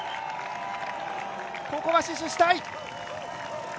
ここは死守したい！